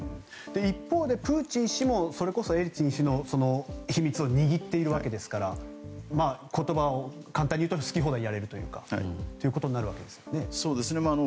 一方でプーチン氏もそれこそエリツィン氏の秘密を握っているわけですから言葉を簡単に言うと好き放題やれるということになるわけですよね。